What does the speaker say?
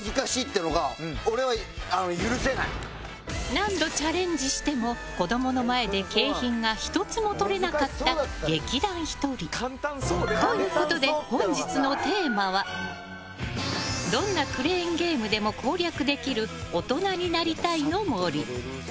何度チャレンジしても子供の前で景品が１つもとれなかった劇団ひとり。ということで本日のテーマはどんなクレーンゲームでも攻略できる大人になりたいの森。